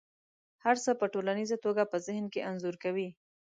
هر څه په ټوليزه توګه په ذهن کې انځور کوي.